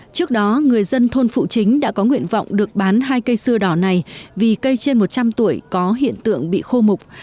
trước đó người dân thôn phụ chính đã có nguyện vọng được bán hai cây xưa đỏ này vì cây trên một trăm linh tuổi có hiện tượng bị khô mục